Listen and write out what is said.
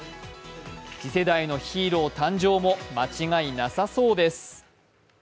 次世代のヒーロー誕生も間違いなさそうです。